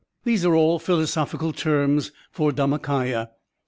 These are all philosophical terms for Dharmak&ya.